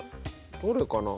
どれかな？